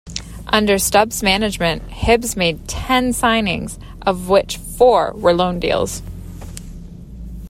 Under Stubbs' management, Hibs made ten signings, of which four were loan deals.